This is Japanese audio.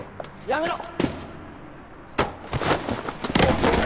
やめろ！